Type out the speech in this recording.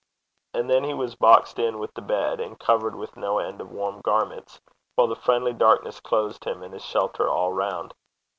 And then he was boxed in with the bed, and covered with no end of warm garments, while the friendly darkness closed him and his shelter all round.